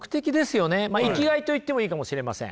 まあ生きがいと言ってもいいかもしれません。